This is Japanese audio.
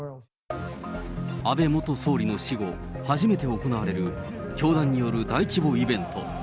安倍元総理の死後、初めて行われる、教団による大規模イベント。